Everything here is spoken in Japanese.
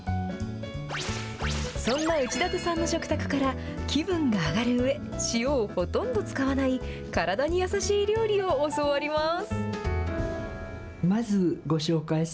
そんな内館さんの食卓から、気分が上がるうえ、塩をほとんど使わない体に優しい料理を教わります。